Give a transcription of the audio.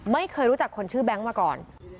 ไม่เคยรู้จักคนชื่อแบงค์มาก่อน